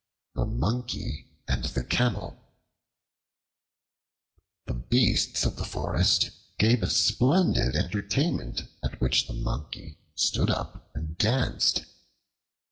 The Monkey and the Camel THE BEASTS of the forest gave a splendid entertainment at which the Monkey stood up and danced.